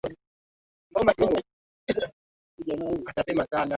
maana ya wapinzani na kuwachora vibaya wakivunja amri ya nane